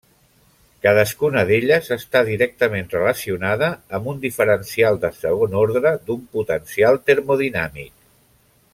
Cadascuna d'elles està directament relacionada amb un diferencial de segon ordre d'un potencial termodinàmic.